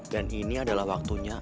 dan ini adalah waktunya